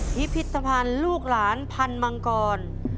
พิพิธภัณฑ์ลูกหลานพันธ์มังกร